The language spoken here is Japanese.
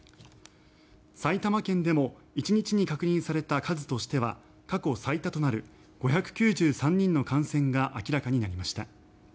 埼玉県でも１日に確認された数としては過去最多となる５９３人の感染が明らかになりました。